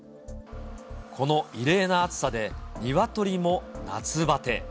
この異例な暑さで、ニワトリも夏バテ。